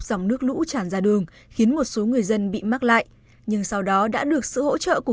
dòng nước lũ tràn ra đường khiến một số người dân bị mắc lại nhưng sau đó đã được sự hỗ trợ của